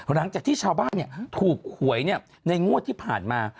หลังจากที่ชาวบ้านถูกหวยในงวดที่ผ่านมา